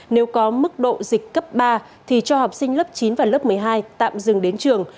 nếu có mức độ dịch cấp ba thì cho học sinh lớp chín và lớp một mươi hai tạm dừng đến trường